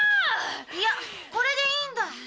いやこれでいいんだ。